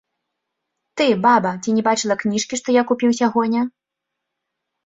Ты, баба, ці не бачыла кніжкі, што я купіў сягоння?